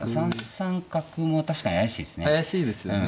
３三角も確かに怪しいですね。